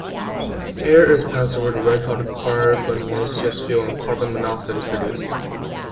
Air is passed over the red-hot carbonaceous fuel and carbon monoxide is produced.